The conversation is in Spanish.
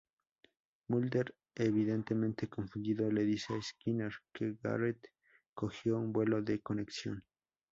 Mulder, evidentemente confundido, le dice a Skinner que Garrett "cogió un vuelo de conexión.